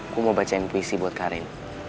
aku mau bacain puisi buat karin